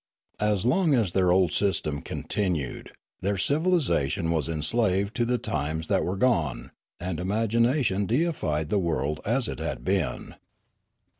As long as their old system continued, their civilisation was enslaved to the times that were gone, and imagination deified the world as it had been.